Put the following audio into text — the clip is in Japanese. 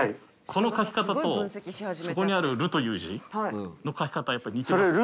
この書き方と、そこにある、るという字の書き方、やっぱり似てる。